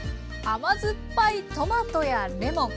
甘酸っぱいトマトやレモン。